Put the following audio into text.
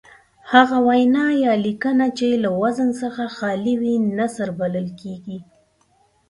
هغه وینا یا لیکنه چې له وزن څخه خالي وي نثر بلل کیږي.